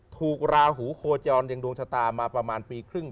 ราหูโคจรยังดวงชะตามาประมาณปีครึ่ง